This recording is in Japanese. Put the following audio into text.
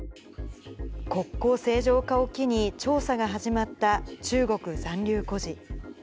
国交正常化を機に、調査が始まった中国残留孤児。